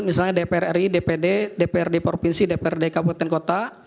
misalnya dpr ri dpd dprd provinsi dprd kabupaten kota